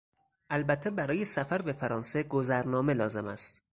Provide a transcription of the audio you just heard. البته برای سفر به فرانسه گذرنامه لازم است.